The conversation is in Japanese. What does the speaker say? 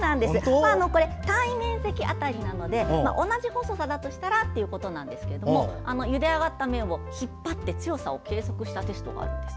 単位面積当たりなので同じ細さだとしたらなんですがゆで上がった麺を引っ張って強度を確認したテストがあるんです。